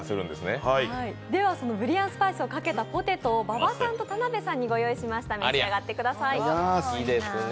ぶりあんスパイスをかけたポテトを馬場さんと田辺さんにご用意しましたので召し上がってください。